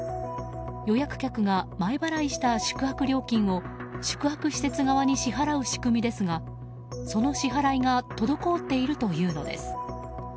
予約客が前払いした宿泊料金を宿泊施設側に支払う仕組みですがその支払いが滞っているというのです。